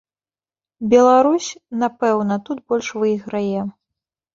Беларусь, напэўна, тут больш выйграе.